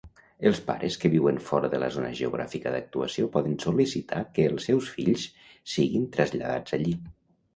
Els pares que viuen fora de la zona geogràfica d'actuació poden sol·licitar que els seus fills siguin traslladats allí.